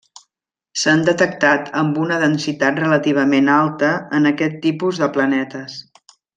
S'han detectat amb una densitat relativament alta en aquest tipus de planetes.